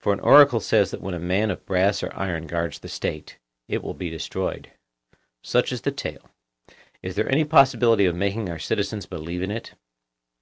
For an oracle says that when a man of brass or iron guards the State, it will be destroyed. Such is the tale; is there any possibility of making our citizens believe in it?